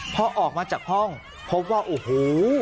พอออกมาจากห้องพบว่าโอ้โห